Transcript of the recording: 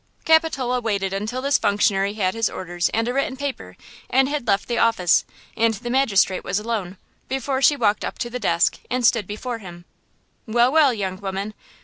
Capitola waited until this functionary had his orders and a written paper, and had left the office, and the magistrate was alone, before she walked up to the desk and stood before him. "Well, well, young woman!